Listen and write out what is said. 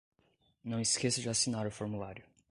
Não esqueça de assinar o formulário.